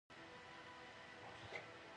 هندوکش د ټولنې لپاره بنسټیز رول لري.